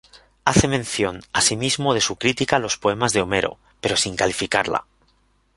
Hace mención asimismo de su crítica a los poemas de Homero, pero sin calificarla.